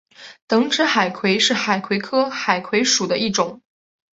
等指海葵是海葵科海葵属的一种。